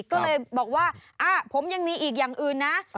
ก็เลยบอกว่าผมยังมีอีกอย่างอื่นนะ